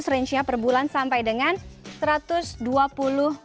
rp enam delapan ratus per bulan sampai dengan rp satu ratus dua puluh dua